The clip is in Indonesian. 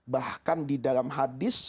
bahkan di dalam hadis